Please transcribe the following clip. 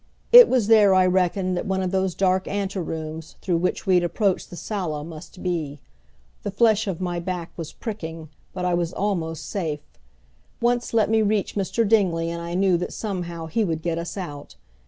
It was there, I reckoned, that one of those dark anterooms, through which we had approached the sala, must be. The flesh of my back was pricking, but I was almost safe. Once let me reach Mr. Dingley and I knew that somehow he would get us out.